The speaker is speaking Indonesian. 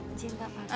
encik enggak pake